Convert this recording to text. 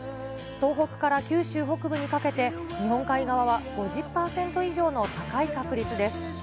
東北から九州北部にかけて、日本海側は５０％以上の高い確率です。